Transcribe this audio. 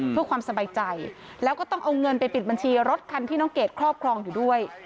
เพื่อความสบายใจแล้วก็ต้องเอาเงินไปปิดบัญชีรถคันที่น้องเกดครอบครองอยู่ด้วย